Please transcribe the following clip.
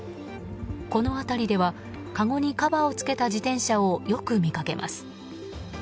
この辺りではかごにカバーを付けた自転車をよく見かけます。